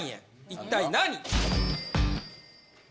一体何？